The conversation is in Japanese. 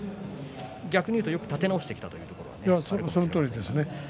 逆に言うと立て直してきたということですね。